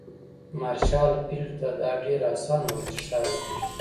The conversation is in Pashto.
مارشال فيلډ ته دا ډېره اسانه وه چې ښار پرېږدي.